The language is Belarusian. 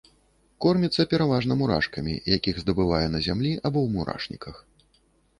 Корміцца пераважна мурашкамі, якіх здабывае на зямлі або ў мурашніках.